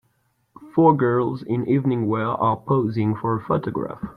four girls in evening wear are posing for a photograph.